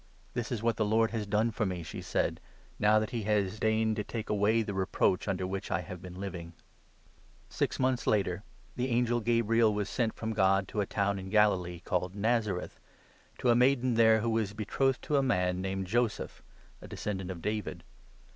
"This is what the Lord has done for me," she said, " now 25 that he has deigned to take away the reproach under which I have been living." The Birth ^ix months later the angel Gabriel was sent 26 of Jesus from God to a town in Galilee called Nazareth, foretold, to a maiden there who was betrothed to a man named Joseph, a descendant of David.